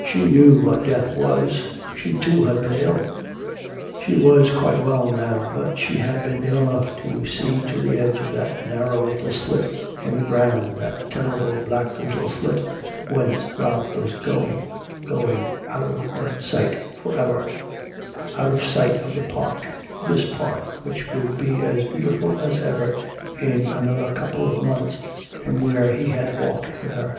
She knew what death was; she too had been ill. She was quite well now, but she had been ill enough to see to the edge of that narrow little slit in the ground, that terrible black little slit whence Ralph was going, going out of her sight for ever, out of sight of the park, this park which would be as beautiful as ever in another couple of months, and where he had walked with her.